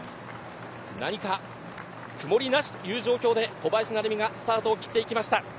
何か曇りなしという状況で小林がスタートを切っていきました。